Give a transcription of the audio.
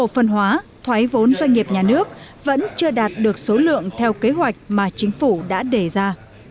phân hóa thoái vốn doanh nghiệp nhà nước vẫn chưa đạt được số lượng theo kế hoạch mà chính phủ đã đề ra